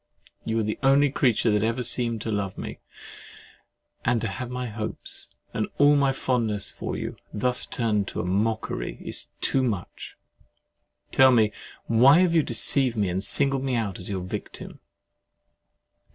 You were the only creature that ever seemed to love me; and to have my hopes, and all my fondness for you, thus turned to a mockery—it is too much! Tell me why you have deceived me, and singled me out as your victim?